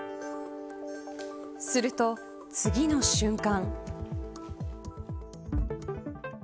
すると、次の瞬間。